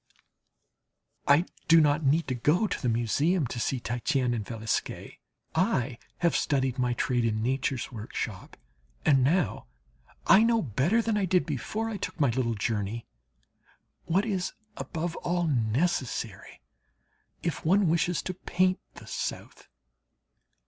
I do not need to go to the Museum and to see Titian and Velasquez. I have studied my trade in Nature's workshop, and now I know better than I did before I took my little journey, what is above all necessary if one wishes to paint the South.